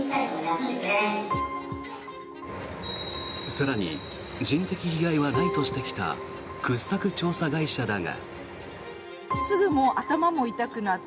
更に人的被害はないとしてきた掘削調査会社だが。